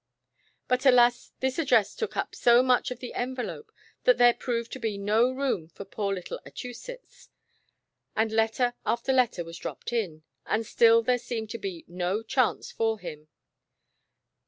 But alas, this address took up so much of the en velope, that there proved to be no room for poor little Achusetts. And letter after letter was dropped in, and still there seemed to be no chance for him.